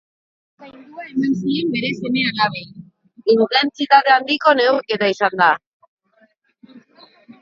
Intentsitate handiko neurketa izan da.